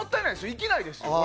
生きないですよ。